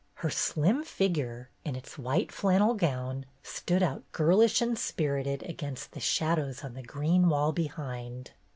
Her slim figure, in its white flannel gown, stood out girlish and spirited against the shadows on the green wall behind.